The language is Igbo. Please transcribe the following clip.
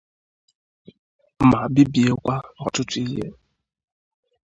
ma bibiekwa ọtụtụ ihe.